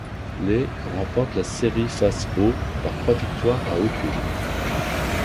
Les ' remportent la série face aux ' par trois victoires à aucune.